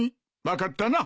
分かったな？